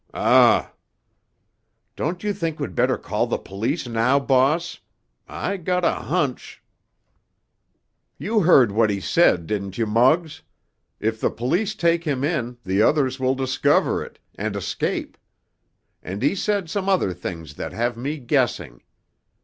"Um!" "Don't you think we'd better call the police now, boss? I got a hunch——" "You heard what he said, didn't you, Muggs? If the police take him in, the others will discover it, and escape. And he said some other things that have me guessing.